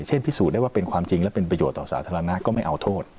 พิสูจน์ได้ว่าเป็นความจริงและเป็นประโยชน์ต่อสาธารณะก็ไม่เอาโทษ